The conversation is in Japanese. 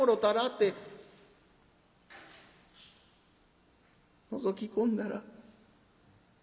ってのぞき込んだら